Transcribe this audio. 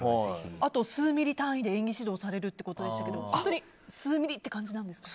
あと、数ミリ単位で演技指導されるということでしたけど本当に数ミリって感じなんですか。